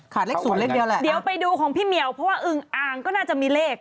เลขศูนย์เลขเดียวแหละเดี๋ยวไปดูของพี่เหมียวเพราะว่าอึงอ่างก็น่าจะมีเลข